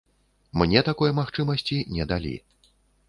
Мне такой магчымасці не далі.